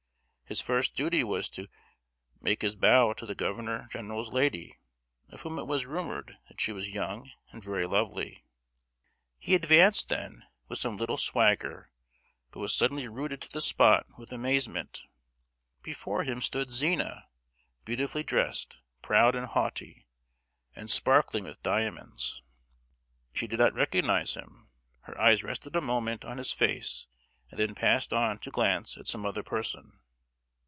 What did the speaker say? His first duty was to make his bow to the governor general's lady, of whom it was rumoured that she was young, and very lovely. He advanced then, with some little "swagger," but was suddenly rooted to the spot with amazement. Before him stood Zina, beautifully dressed, proud and haughty, and sparkling with diamonds! She did not recognize him; her eyes rested a moment on his face, and then passed on to glance at some other person.